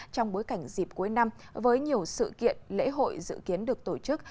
trong bối cảnh dịp cuối năm với nhiều sự kiện lễ hội dự kiến được tổ chức